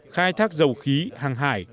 khai thác dầu khí hàng hải